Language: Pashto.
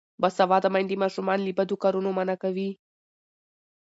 باسواده میندې ماشومان له بدو کارونو منع کوي.